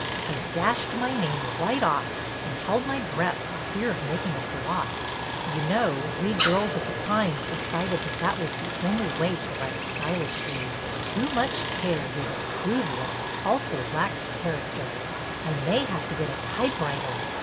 I dashed my name right off and held my breath for fear of making a blot. You know, we girls at The Pines decided that that was the only way to write stylishly; too much care gave a crude look, also lacked character. THE CLAMMERBOY 41 I may have to get a typewriter.